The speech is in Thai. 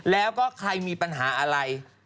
แล้วก็ใครมีปัญหาอะไร